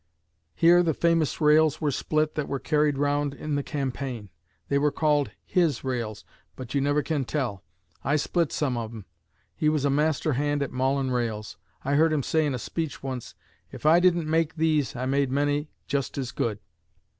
Here the famous rails were split that were carried round in the campaign. They were called his rails, but you never can tell. I split some of 'em. He was a master hand at maulin' rails. I heard him say in a speech once, 'If I didn't make these I made many just as good.'